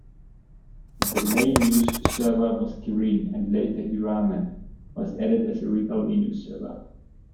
The main newsserver was kirin, and later hirame was added as a read-only newsserver.